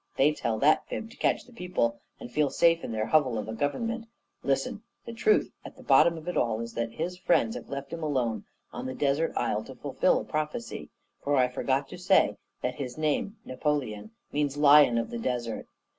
They tell that fib to catch the people, and feel safe in their hovel of a government. Listen! the truth at the bottom of it all is that his friends have left him alone on the desert isle to fulfil a prophecy, for I forgot to say that his name, Napoleon, means 'lion of the desert.'